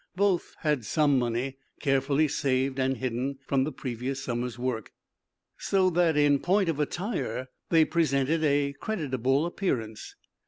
Both had some money, carefully saved and hidden, from the previous summer's work, so that in point of attire they presented a creditable appearance.